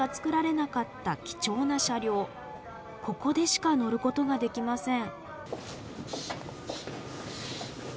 ここでしか乗ることができません。